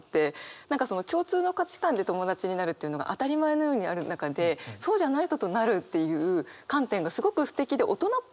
何かその共通の価値観で友達になるというのが当たり前のようにある中でそうじゃない人となるっていう観点がすごくすてきで大人っぽい。